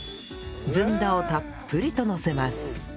ずんだをたっぷりとのせます